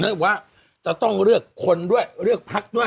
บอกว่าจะต้องเลือกคนด้วยเลือกพักด้วย